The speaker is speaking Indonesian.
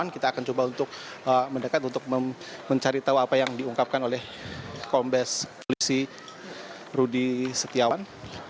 kita akan coba untuk mendekat untuk mencari tahu apa yang diungkapkan oleh kombes polisi rudy setiawan